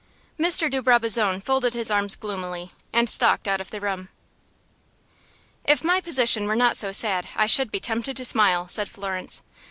Mr. de Brabazon folded his arms gloomily, and stalked out of the room. "If my position were not so sad, I should be tempted to smile," said Florence.